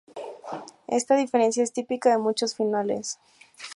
Esta diferencia es típica de muchos finales.